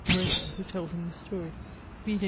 Roper, who told him the story. [XXXV.